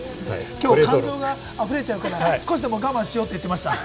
今日は感情が溢れちゃうから、少しでも我慢しようって言ってました。